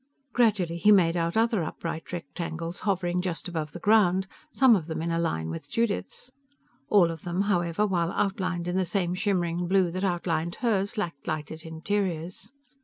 Gradually he made out other upright rectangles hovering just above the ground, some of them on a line with Judith's. All of them, however, while outlined in the same shimmering blue that outlined hers, lacked lighted interiors.